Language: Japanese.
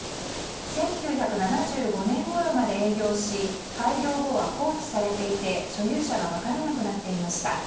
１９７５年ごろまで営業し廃業後は放置されていて所有者が分からなくなっていました。